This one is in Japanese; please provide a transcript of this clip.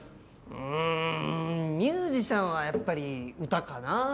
うんミュージシャンはやっぱり歌かなぁ。